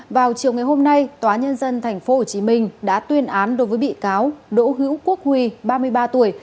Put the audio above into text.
vào chiều ngày hôm nay tòa nhân dân tp hcm đã tuyên án đối với bị cáo đỗ hữu quốc huy ba mươi ba tuổi